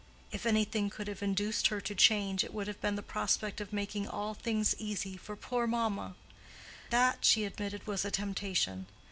If anything could have induced her to change, it would have been the prospect of making all things easy for "poor mamma:" that, she admitted, was a temptation.